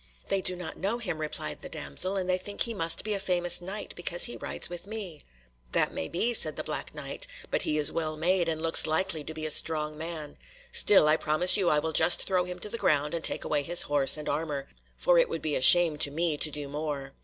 "They do not know him," replied the damsel, "and they think he must be a famous Knight because he rides with me." "That may be," said the Black Knight, "but he is well made, and looks likely to be a strong man; still I promise you I will just throw him to the ground, and take away his horse and armour, for it would be a shame to me to do more."